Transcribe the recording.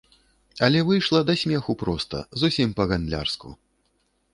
Але выйшла да смеху проста, зусім па-гандлярску.